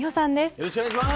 よろしくお願いします。